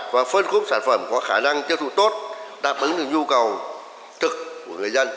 và phân khúc sản phẩm có khả năng tiêu thụ tốt đáp ứng được nhu cầu thực của người dân